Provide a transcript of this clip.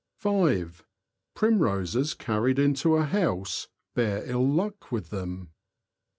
(5.) Primroses carried into a house bear ill luck with them.